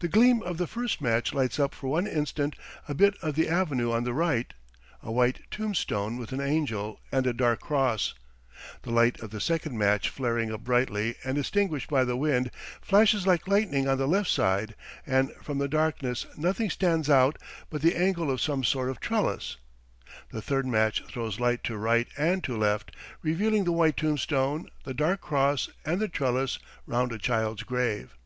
The gleam of the first match lights up for one instant a bit of the avenue on the right, a white tombstone with an angel, and a dark cross; the light of the second match, flaring up brightly and extinguished by the wind, flashes like lightning on the left side, and from the darkness nothing stands out but the angle of some sort of trellis; the third match throws light to right and to left, revealing the white tombstone, the dark cross, and the trellis round a child's grave.